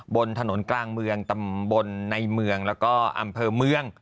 บนถนนกลางเมืองตำบลในเมืองแล้วก็อำเภอเมือง